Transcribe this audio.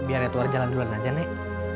biar yatuar jalan duluan aja nek